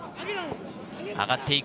上がっていく。